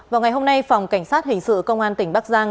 vào ngày hôm nay phòng cảnh sát hình sự công an tỉnh bắc giang